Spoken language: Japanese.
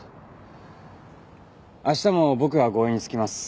明日も僕が護衛につきます。